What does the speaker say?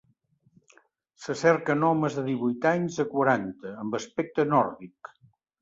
Se cerquen homes de divuit anys a quaranta, amb aspecte nòrdic.